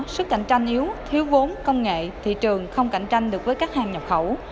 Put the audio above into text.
sức cạnh tranh yếu thiếu vốn công nghệ thị trường không cạnh tranh được với các hàng nhập khẩu